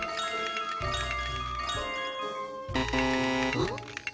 あっ？